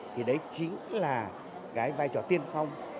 thì đấy chính là cái vai trò tiên phong